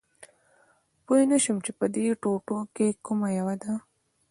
پوه نه شوم چې په دې ټوټو کې کومه یوه ده